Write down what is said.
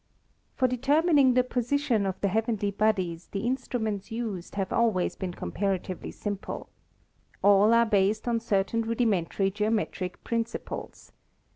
For determining the position of the heavenly bodies the instruments used have always been comparatively simple. All are based on certain rudimentary geometric principles.